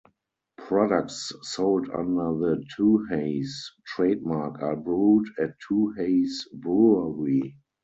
Products sold under the Tooheys trademark are brewed at Tooheys Brewery.